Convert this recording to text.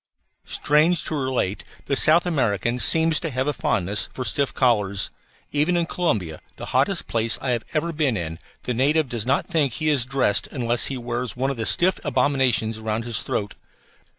Strange to relate, the South American seems to have a fondness for stiff collars. Even in Corumba, the hottest place I have ever been in, the native does not think he is dressed unless he wears one of these stiff abominations around his throat.